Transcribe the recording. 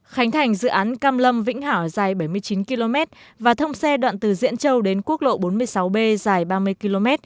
khánh thành dự án cam lâm vĩnh hảo dài bảy mươi chín km và thông xe đoạn từ diễn châu đến quốc lộ bốn mươi sáu b dài ba mươi km